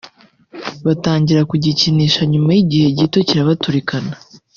batangira kugikinisha nyuma y`igihe gito kirabaturikana